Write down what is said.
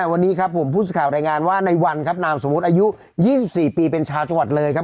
อ่ะวันนี้ครับผมพูดข่าวรายงานว่าในวันครับนามสมมติอายุยี่สิบสี่ปีเป็นชาวจัวร์เลยครับ